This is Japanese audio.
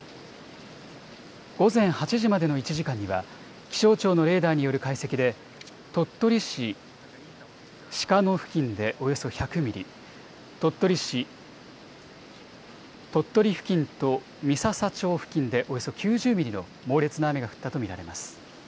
午前８時までの１時間には、気象庁のレーダーによる解析で、鳥取市鹿野付近でおよそ１００ミリ、鳥取市鳥取付近と三朝町付近でおよそ９０ミリの猛烈な雨が降ったと見られます。